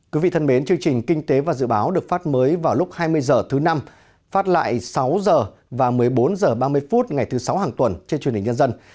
chương trình kinh tế và dự báo được phát mới vào lúc hai mươi h thứ năm phát lại sáu h và một mươi bốn h ba mươi phút ngày thứ sáu hàng tuần trên truyền hình nhân dân